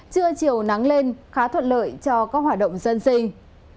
trưa chiều nắng lên khá thuận lợi cho các hoạt động dân sinh